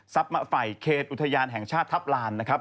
ซับมาฝ่ายเขตอุทยานแห่งชาติทัพลานนะครับ